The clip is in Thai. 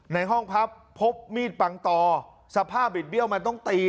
ในห้องพักพบมีดปังตอสภาพบิดเบี้ยวมันต้องตี